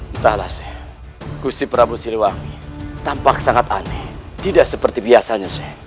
entahlah gusti prabu siliwang tampak sangat aneh tidak seperti biasanya